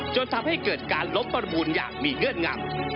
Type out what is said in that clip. จนทำให้เกิดการลบประมูลอย่างมีเงื่อนงำ